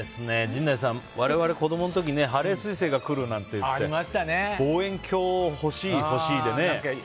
陣内さん、我々子供の時ねハレー彗星が来るなんて言って望遠鏡を欲しい、欲しいでね。